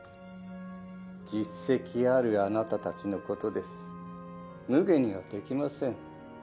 実績あるあなたたちのことですむげにはできません